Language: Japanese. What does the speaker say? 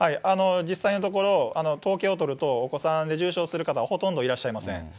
実際のところ、統計を取ると、お子さんで重症する方ほとんどいらっしゃいません。